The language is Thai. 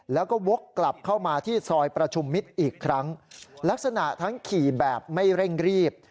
แล้วก็วกกลับเข้ามาที่ซอยประชุมมิตรอีกครั้งลักษณะทั้งขี่แบบไม่เร่งรีบ